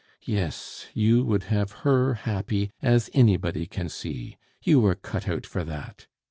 Yes, you would have her happy, as anybody can see; you were cut out for that.